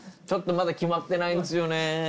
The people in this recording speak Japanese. ちょっとまだ決まってないんですよね。